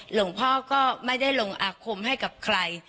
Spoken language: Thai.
หลวงพ่อก็ไม่ได้ลงอาคมให้กับใคร